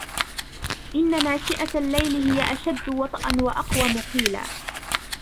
إِنَّ نَاشِئَةَ اللَّيْلِ هِيَ أَشَدُّ وَطْءًا وَأَقْوَمُ قِيلا